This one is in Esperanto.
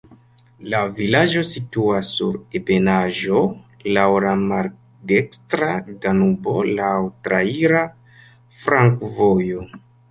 La vilaĝo situas sur ebenaĵo, laŭ la maldekstra Danubo, laŭ traira flankovojo.